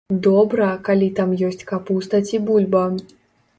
Добра, калі там ёсць капуста ці бульба.